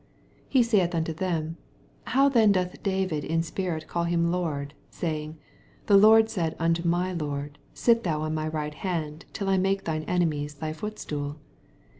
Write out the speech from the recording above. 43 He saith unto them, How then doth David vi spirit call him Lord, saying. 44 The Lord said onto my Lord, Sit thou on my right hand, till I make thine enemies thy footstool